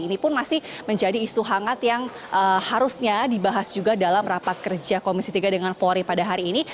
ini pun masih menjadi isu hangat yang harusnya dibahas juga dalam rapat kerja komisi tiga dengan polri pada hari ini